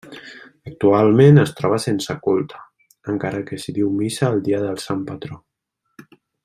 Actualment es troba sense culte, encara que s'hi diu missa el dia del sant patró.